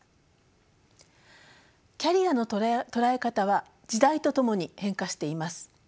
キャリアの捉え方は時代とともに変化しています。